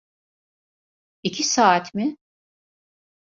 İki saat mi?